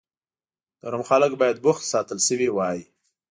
د روم خلک باید بوخت ساتل شوي وای.